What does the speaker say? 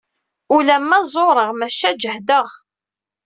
Ula ma zureɣ, maca jehdeɣ.